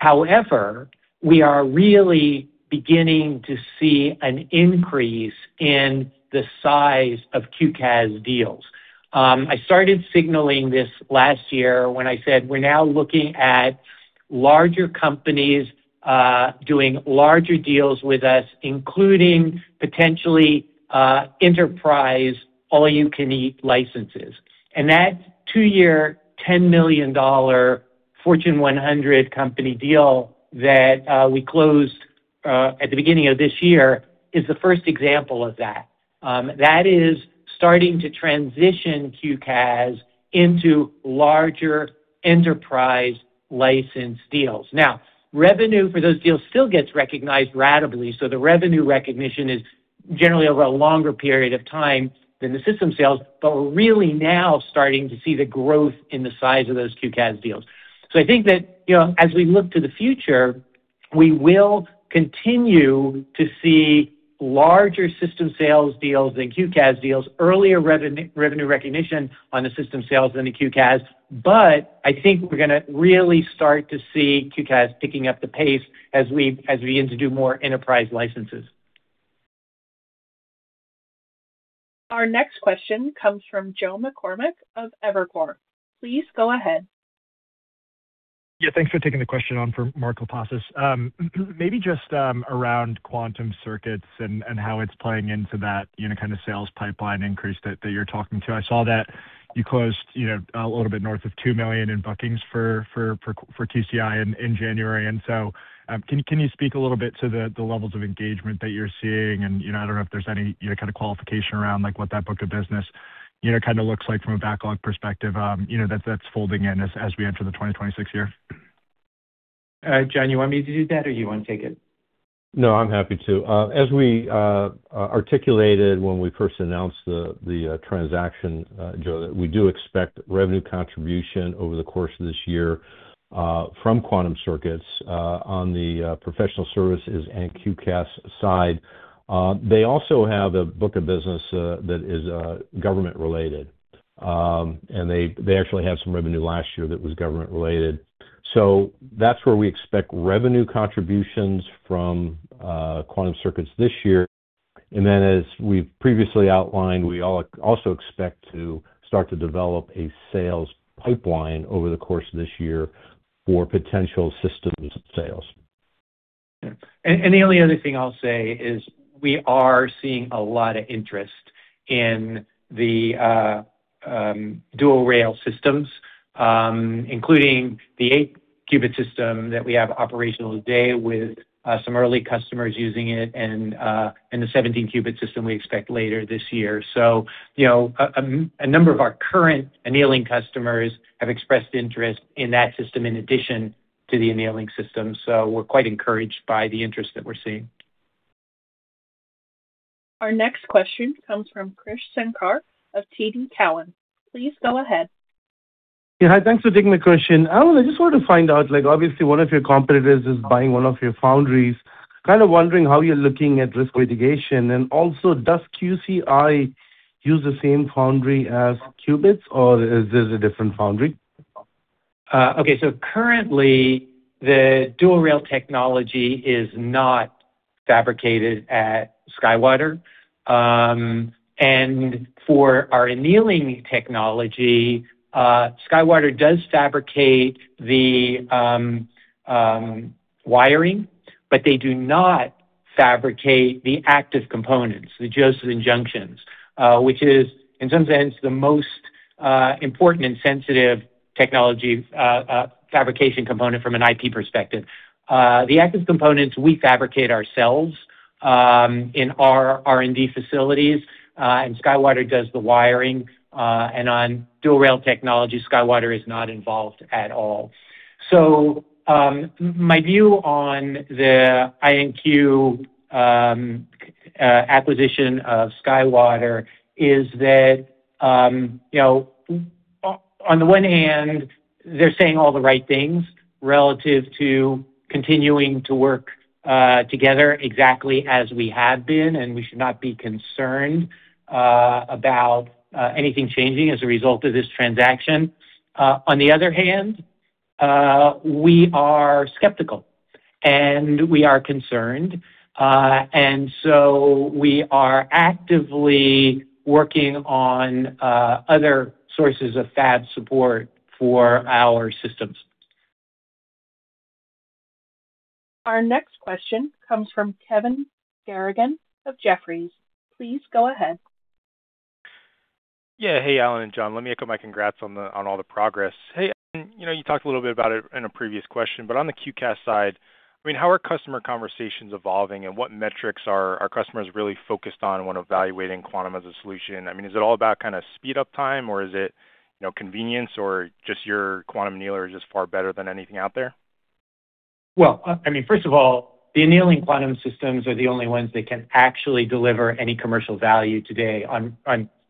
However, we are really beginning to see an increase in the size of QCaaS deals.I started signaling this last year when I said we're now looking at larger companies, doing larger deals with us, including potentially, enterprise, all-you-can-eat licenses. That 2-year, $10 million Fortune 100 company deal that we closed at the beginning of this year is the first example of that. That is starting to transition QCaaS into larger enterprise license deals. Revenue for those deals still gets recognized ratably, so the revenue recognition is generally over a longer period of time than the system sales, but we're really now starting to see the growth in the size of those QCaaS deals. I think that, you know, as we look to the future, we will continue to see larger system sales deals than QCaaS deals, earlier revenue recognition on the system sales than the QCaaS, but I think we're gonna really start to see QCaaS picking up the pace as we begin to do more enterprise licenses. Our next question comes from Joe McCormack of Evercore. Please go ahead. Yeah, thanks for taking the question on from Mark Lipacis. Maybe just around Quantum Circuits and how it's playing into that, you know, kind of sales pipeline increase that you're talking to. I saw that you closed, you know, a little bit north of $2 million in bookings for QCI in January. Can you speak a little bit to the levels of engagement that you're seeing? I don't know if there's any, you know, kind of qualification around, like, what that book of business, you know, kind of looks like from a backlog perspective, you know, that's folding in as we enter the 2026 year. John, you want me to do that or you want to take it? No, I'm happy to. As we articulated when we first announced the transaction, Joe, that we do expect revenue contribution over the course of this year, from Quantum Circuits, on the professional services and QCaaS side. They also have a book of business, that is government-related. They actually had some revenue last year that was government-related. That's where we expect revenue contributions from, Quantum Circuits this year. As we've previously outlined, we also expect to start to develop a sales pipeline over the course of this year for potential systems sales. The only other thing I'll say is we are seeing a lot of interest in the dual-rail systems, including the 8-qubit system that we have operational today with some early customers using it and the 17-qubit system we expect later this year. You know, a number of our current annealing customers have expressed interest in that system in addition to the annealing system, so we're quite encouraged by the interest that we're seeing. Our next question comes from Krish Sankar of TD Cowen. Please go ahead. Yeah, hi. Thanks for taking the question. Alan, I just wanted to find out, like, obviously one of your competitors is buying one of your foundries. Kind of wondering how you're looking at risk mitigation. Also, does QCI use the same foundry as Qubits, or is this a different foundry? Okay. Currently, the dual-rail technology is not fabricated at SkyWater. For our annealing technology, SkyWater does fabricate the wiring, but they do not fabricate the active components, the Josephson junctions, which is in some sense, the most important and sensitive technology fabrication component from an IP perspective. The active components we fabricate ourselves in our R&D facilities, and SkyWater does the wiring, on dual-rail technology, SkyWater is not involved at all. My view on the IonQ acquisition of SkyWater is that, you know, on the one hand, they're saying all the right things relative to continuing to work together exactly as we have been, and we should not be concerned about anything changing as a result of this transaction. On the other hand, we are skeptical, and we are concerned. We are actively working on other sources of fab support for our systems. Our next question comes from Kevin Garrigan of Jefferies. Please go ahead. Yeah. Hey, Alan and John, let me echo my congrats on all the progress. Hey, you know, you talked a little bit about it in a previous question, but on the QCaaS side, I mean, how are customer conversations evolving, and what metrics are our customers really focused on when evaluating Quantum as a solution? I mean, is it all about kind of speed up time, or is it, you know, convenience or just your quantum annealer is just far better than anything out there? Well, I mean, first of all, the annealing quantum systems are the only ones that can actually deliver any commercial value today on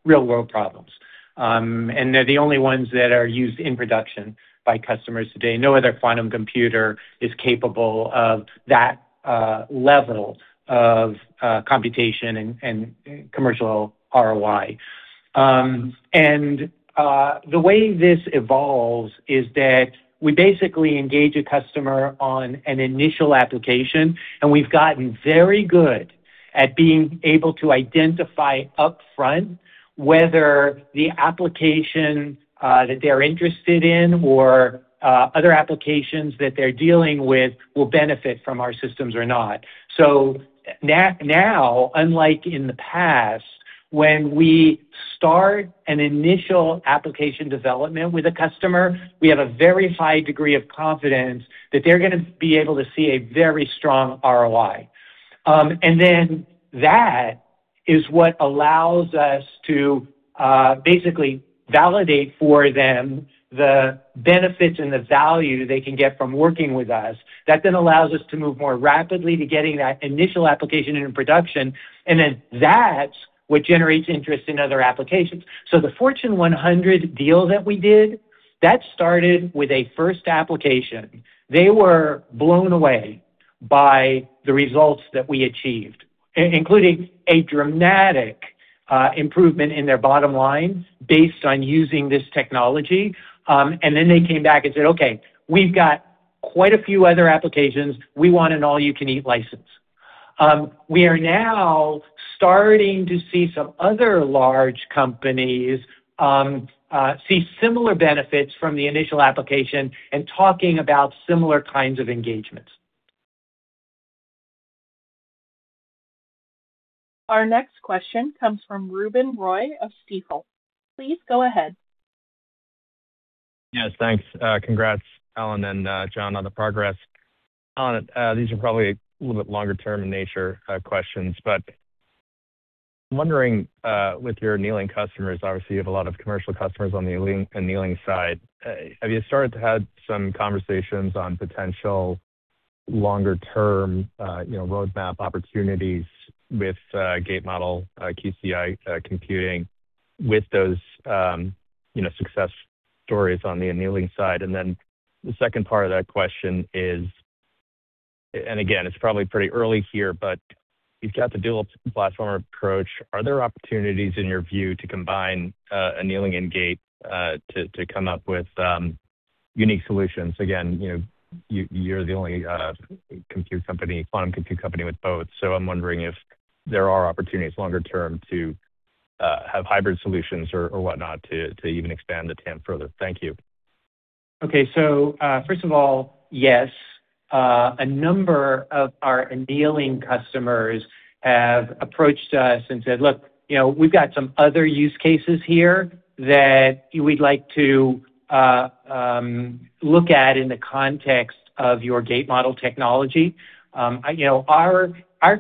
real-world problems. They're the only ones that are used in production by customers today. No other quantum computer is capable of that level of computation and commercial ROI. The way this evolves is that we basically engage a customer on an initial application, and we've gotten very good at being able to identify upfront whether the application that they're interested in or other applications that they're dealing with will benefit from our systems or not. Now, unlike in the past, when we start an initial application development with a customer, we have a very high degree of confidence that they're gonna be able to see a very strong ROI. That is what allows us to basically validate for them the benefits and the value they can get from working with us. That allows us to move more rapidly to getting that initial application into production, that's what generates interest in other applications. The Fortune 100 deal that we did, that started with a first application. They were blown away by the results that we achieved, including a dramatic improvement in their bottom line based on using this technology. They came back and said, "Okay, we've got quite a few other applications. We want an all-you-can-eat license." We are now starting to see some other large companies see similar benefits from the initial application and talking about similar kinds of engagements. Our next question comes from Ruben Roy of Stifel. Please go ahead. Yes, thanks. Congrats, Alan and John, on the progress. Alan, these are probably a little bit longer-term in nature, questions. I'm wondering, with your annealing customers, obviously, you have a lot of commercial customers on the annealing side. Have you started to have some conversations on potential longer-term, you know, roadmap opportunities with gate model, QCI, computing with those, you know, success stories on the annealing side? The second part of that question is, and again, it's probably pretty early here, but you've got the dual platform approach. Are there opportunities, in your view, to combine, annealing and gate, to come up with, unique solutions? Again, you're the only, compute company, quantum compute company with both, so I'm wondering if there are opportunities longer term to, have hybrid solutions or whatnot, to even expand the TAM further. Thank you. Okay, first of all, yes, a number of our annealing customers have approached us and said: Look, you know, we've got some other use cases here that we'd like to look at in the context of your gate model technology. You know, our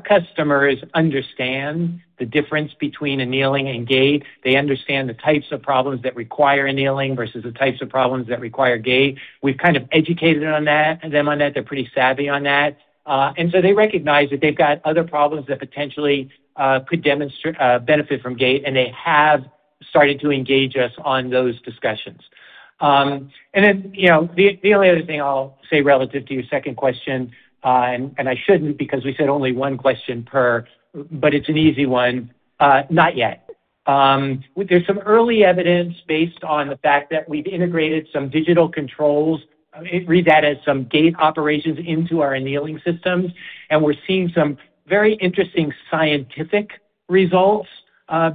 customers understand the difference between annealing and gate. They understand the types of problems that require annealing versus the types of problems that require gate. We've kind of educated them on that. They're pretty savvy on that. They recognize that they've got other problems that potentially could demonstrate... benefit from gate, and they have started to engage us on those discussions. You know, the only other thing I'll say relative to your second question, I shouldn't because we said only one question per, but it's an easy one. Not yet. There's some early evidence based on the fact that we've integrated some digital controls, read that as some gate operations, into our annealing systems, and we're seeing some very interesting scientific results,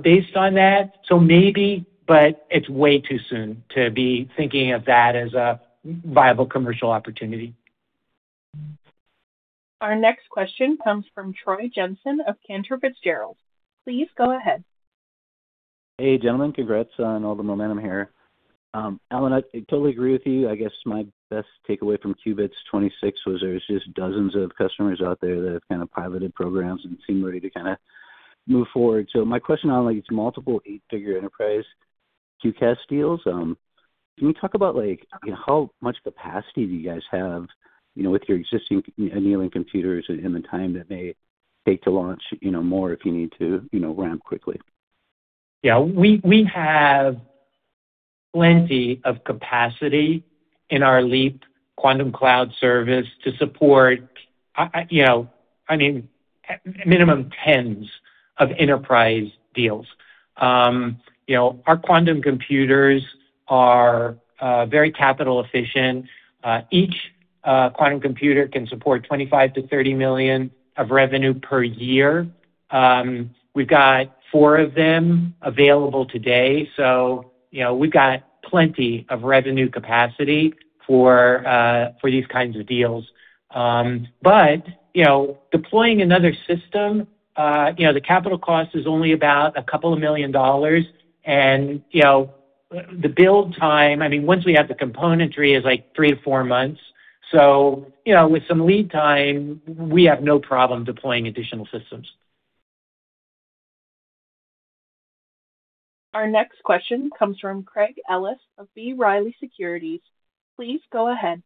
based on that. Maybe, but it's way too soon to be thinking of that as a viable commercial opportunity. Our next question comes from Troy Jensen of Cantor Fitzgerald. Please go ahead. Hey, gentlemen, congrats on all the momentum here. Alan, I totally agree with you. I guess my best takeaway from Qubits 26 was there's just dozens of customers out there that have kind of piloted programs and seem ready to kind of move forward. My question on, it's multiple 8-figure enterprise QCaaS deals. Can you talk about, how much capacity do you guys have, you know, with your existing annealing computers in the time that they take to launch, you know, more if you need to, you know, ramp quickly? We have plenty of capacity in our Leap quantum cloud service to support, you know, I mean, minimum tens of enterprise deals. You know, our quantum computers are very capital efficient. Each quantum computer can support $25 million-$30 million of revenue per year. We've got four of them available today, you know, we've got plenty of revenue capacity for these kinds of deals. You know, deploying another system, you know, the capital cost is only about a couple of million dollars and, you know, the build time, I mean, once we have the componentry, is like three to four months. You know, with some lead time, we have no problem deploying additional systems. Our next question comes from Craig Ellis of B. Riley Securities. Please go ahead.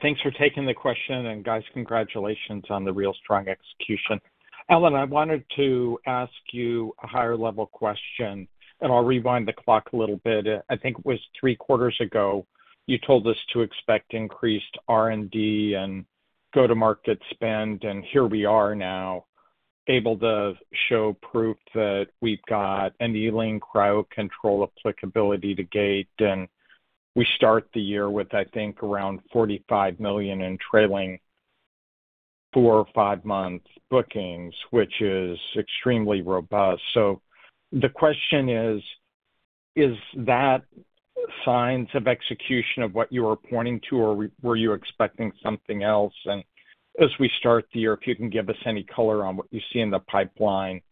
Thanks for taking the question, guys, congratulations on the real strong execution. Alan, I wanted to ask you a higher-level question, and I'll rewind the clock a little bit. I think it was three quarters ago, you told us to expect increased R&D and go-to-market spend, and here we are now, able to show proof that we've got annealing cryo control applicability to gate. We start the year with, I think, around $45 million in trailing four or five-month bookings, which is extremely robust. The question is: Is that signs of execution of what you were pointing to, or were you expecting something else? As we start the year, if you can give us any color on what you see in the pipeline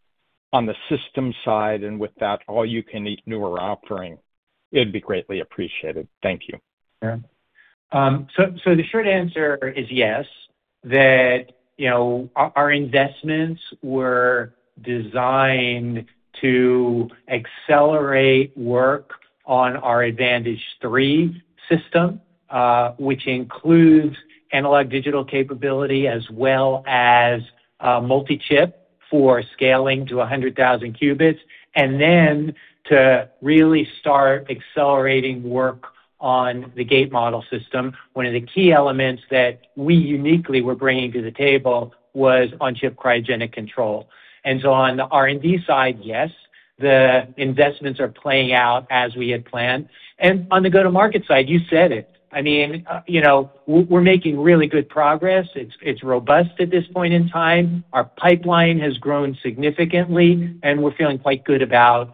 on the system side, and with that, all you can eat newer offering, it'd be greatly appreciated. Thank you. Sure. The short answer is yes, that, you know, our investments were designed to accelerate work on our Advantage3 system, which includes analog-digital capability as well as multi-chip for scaling to 100,000 qubits, and then to really start accelerating work on the gate model system. One of the key elements that we uniquely were bringing to the table was on-chip cryogenic control. On the R&D side, yes, the investments are playing out as we had planned. On the go-to-market side, you said it. I mean, you know, we're making really good progress. It's, it's robust at this point in time. Our pipeline has grown significantly, and we're feeling quite good about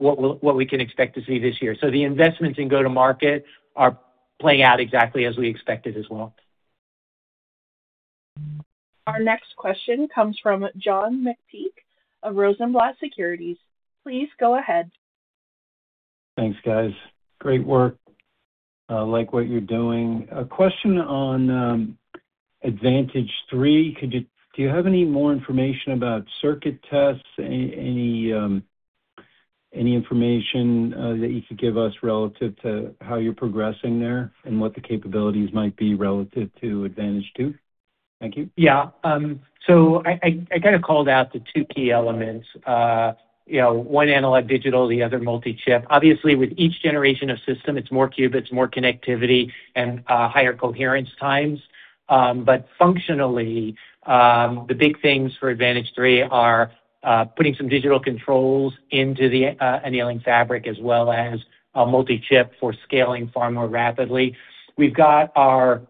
what we can expect to see this year. The investments in go-to-market are playing out exactly as we expected as well. Our next question comes from John McPeake of Rosenblatt Securities. Please go ahead. Thanks, guys. Great work. like what you're doing. A question on Advantage3: Do you have any more information about circuit tests? Any information that you could give us relative to how you're progressing there and what the capabilities might be relative to Advantage2? Thank you. Yeah. I, I kind of called out the two key elements. You know, one analog-digital, the other multi-chip. Obviously, with each generation of system, it's more qubits, more connectivity, and higher coherence times. Functionally, the big things for Advantage3 are putting some digital controls into the annealing fabric, as well as a multi-chip for scaling far more rapidly. We've got our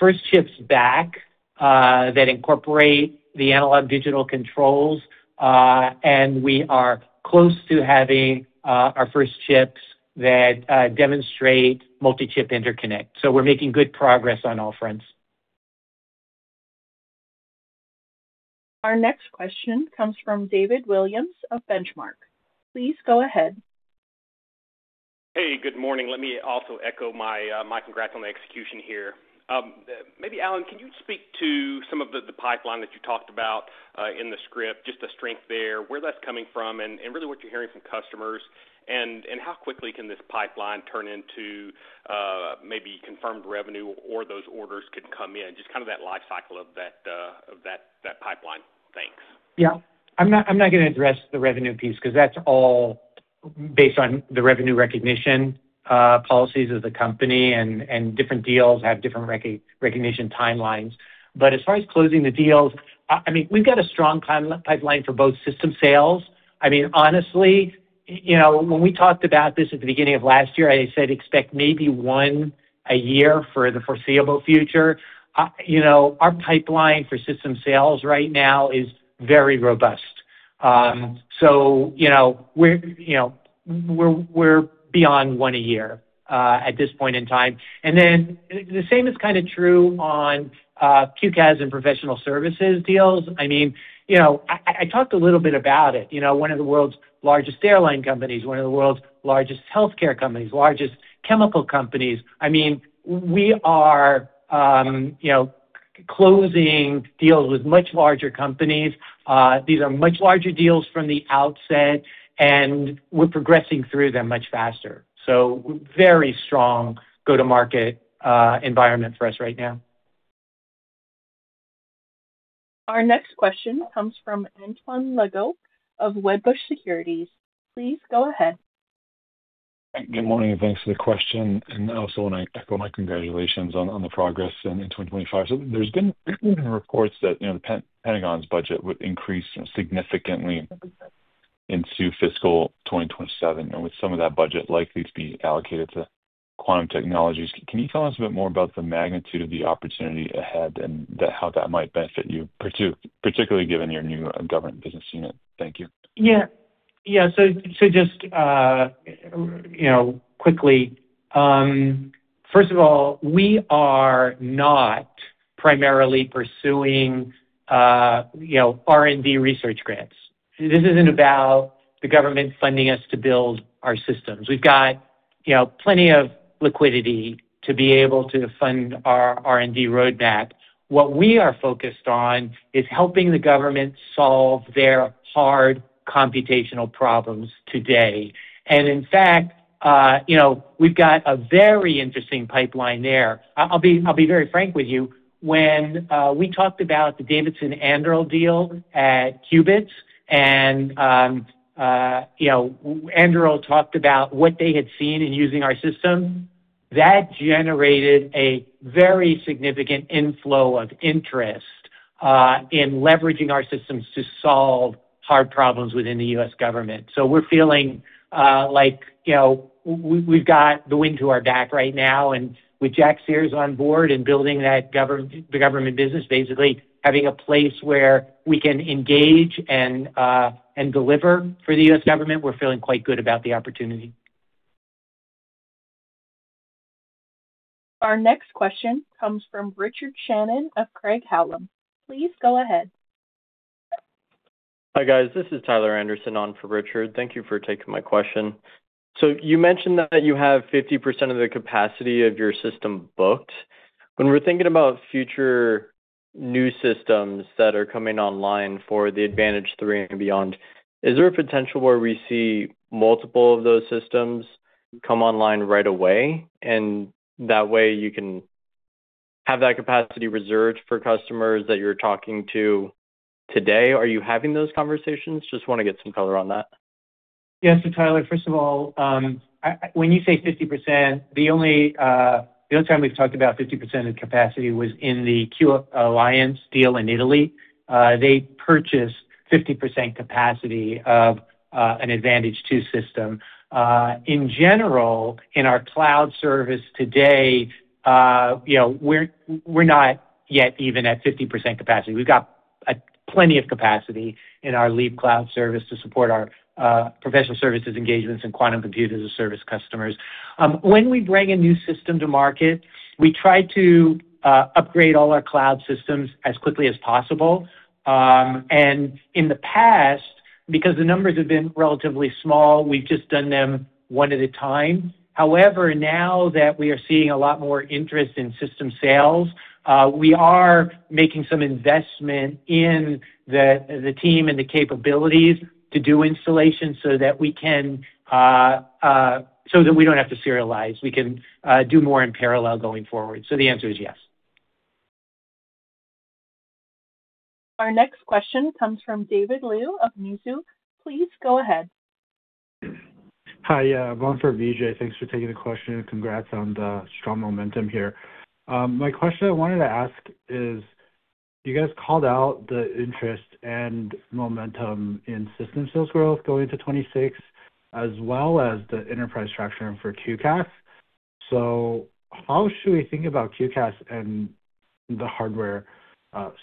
first chips back that incorporate the analog-digital controls, and we are close to having our first chips that demonstrate multi-chip interconnect. We're making good progress on all fronts. Our next question comes from David Williams of Benchmark. Please go ahead. Hey, good morning. Let me also echo my congrats on the execution here. Maybe, Alan, can you speak to some of the pipeline that you talked about in the script, just the strength there, where that's coming from, and really what you're hearing from customers? How quickly can this pipeline turn into maybe confirmed revenue or those orders could come in? Just kind of that life cycle of that, of that pipeline. Thanks. I'm not gonna address the revenue piece because that's all based on the revenue recognition policies of the company, and different deals have different recognition timelines. As far as closing the deals, I mean, we've got a strong pipeline for both system sales. I mean, honestly, you know, when we talked about this at the beginning of last year, I said, "Expect maybe 1 a year for the foreseeable future." You know, our pipeline for system sales right now is very robust. You know, we're beyond 1 a year, at this point in time. The same is kind of true on QCAS and professional services deals. I mean, you know, I talked a little bit about it, you know, one of the world's largest airline companies, one of the world's largest healthcare companies, largest chemical companies. I mean, we are, you know, closing deals with much larger companies. These are much larger deals from the outset, and we're progressing through them much faster. Very strong go-to-market, environment for us right now. Our next question comes from Antoine Legault of Wedbush Securities. Please go ahead. Good morning, and thanks for the question, and also want to echo my congratulations on the progress in 2025. There's been recent reports that, you know, The Pentagon's budget would increase significantly into fiscal 2027, and with some of that budget likely to be allocated to quantum technologies. Can you tell us a bit more about the magnitude of the opportunity ahead and how that might benefit you, particularly given your new government business unit? Thank you. Yeah. So, just, you know, quickly, first of all, we are not primarily pursuing, you know, R&D research grants. This isn't about the government funding us to build our systems. We've got, you know, plenty of liquidity to be able to fund our R&D roadmap. What we are focused on is helping the government solve their hard computational problems today. In fact, you know, we've got a very interesting pipeline there. I'll be very frank with you. When we talked about the Davidson and Anduril deal at Qubits and, you know, Anduril talked about what they had seen in using our system, that generated a very significant inflow of interest, in leveraging our systems to solve hard problems within the U.S. government. We're feeling, like, you know, we've got the wind to our back right now, and with Jack Sears on board and building that the government business, basically having a place where we can engage and deliver for the U.S. government, we're feeling quite good about the opportunity. Our next question comes from Richard Shannon of Craig-Hallum. Please go ahead. Hi, guys. This is Tyler Anderson on for Richard. Thank you for taking my question. You mentioned that you have 50% of the capacity of your system booked. When we're thinking about future new systems that are coming online for the Advantage3 and beyond, is there a potential where we see multiple of those systems come online right away, and that way you can have that capacity reserved for customers that you're talking to today? Are you having those conversations? Just want to get some color on that. Tyler, first of all, when you say 50%, the only time we've talked about 50% of capacity was in the Q-Alliance deal in Italy. They purchased 50% capacity of an Advantage2 system. In general, in our cloud service today, you know, we're not yet even at 50% capacity. We've got a plenty of capacity in our Leap cloud service to support our professional services engagements and quantum computers as service customers. When we bring a new system to market, we try to upgrade all our cloud systems as quickly as possible and because the numbers have been relatively small, we've just done them 1 at a time. Now that we are seeing a lot more interest in system sales, we are making some investment in the team and the capabilities to do installation so that we don't have to serialize. We can do more in parallel going forward. The answer is yes. Our next question comes from David Lu of Mizuho. Please go ahead. Hi, yeah, one for Vijay. Thanks for taking the question, and congrats on the strong momentum here. My question I wanted to ask is, you guys called out the interest and momentum in system sales growth going to 26, as well as the enterprise traction for QCaaS. How should we think about QCaaS and the hardware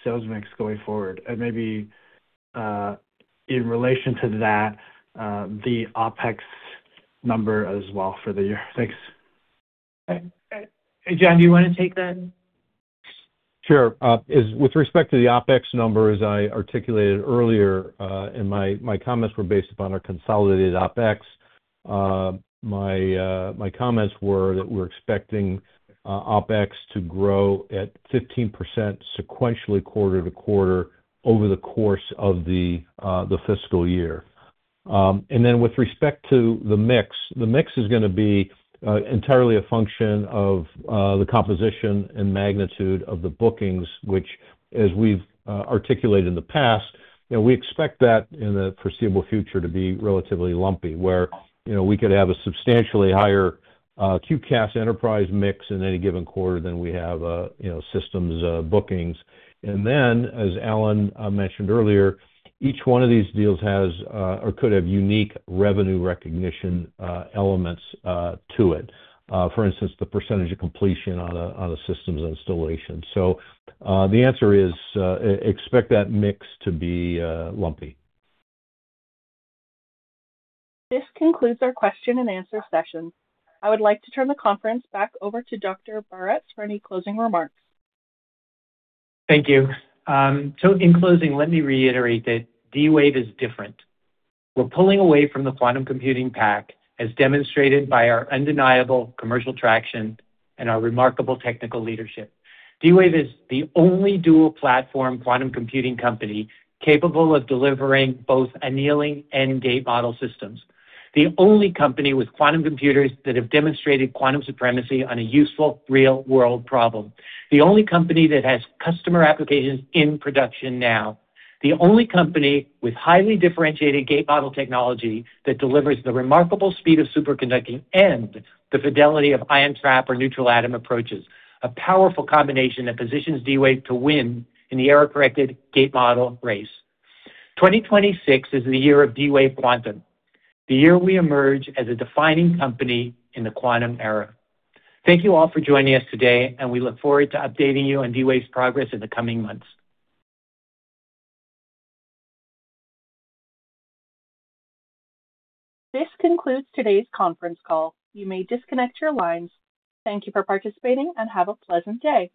sales mix going forward? Maybe in relation to that, the OpEx number as well for the year. Thanks. Hey, John, do you want to take that? Sure. As with respect to the OpEx numbers, I articulated earlier, and my comments were based upon our consolidated OpEx. My comments were that we're expecting OpEx to grow at 15% sequentially, quarter-over-quarter, over the course of the fiscal year. With respect to the mix, the mix is gonna be entirely a function of the composition and magnitude of the bookings, which, as we've articulated in the past, you know, we expect that in the foreseeable future to be relatively lumpy, where, you know, we could have a substantially higher QCaaS enterprise mix in any given quarter than we have a, you know, systems bookings. As Alan mentioned earlier, each one of these deals has or could have unique revenue recognition elements to it. For instance, the percentage of completion on a systems installation. The answer is, expect that mix to be lumpy. This concludes our question and answer session. I would like to turn the conference back over to Dr. Baratz for any closing remarks. Thank you. In closing, let me reiterate that D-Wave is different. We're pulling away from the quantum computing pack, as demonstrated by our undeniable commercial traction and our remarkable technical leadership. D-Wave is the only dual-platform quantum computing company capable of delivering both annealing and gate model systems. The only company with quantum computers that have demonstrated quantum supremacy on a useful, real-world problem. The only company that has customer applications in production now. The only company with highly differentiated gate model technology that delivers the remarkable speed of superconducting and the fidelity of ion trap or neutral atom approaches, a powerful combination that positions D-Wave to win in the error-corrected gate model race. 2026 is the year of D-Wave Quantum, the year we emerge as a defining company in the quantum era. Thank you all for joining us today, and we look forward to updating you on D-Wave's progress in the coming months. This concludes today's conference call. You may disconnect your lines. Thank you for participating, and have a pleasant day!